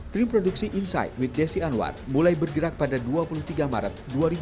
tim produksi inside with desi anwar mulai bergerak pada dua puluh tiga maret